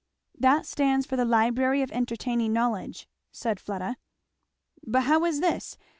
"That stands for the 'Library of Entertaining Knowledge,'" said Fleda. "But how is this?